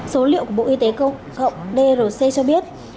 số liệu của bộ y tế cộng hòa dân chủ công gô drc cho biết